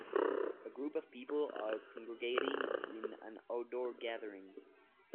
A group of people are congregating in an outdoor gathering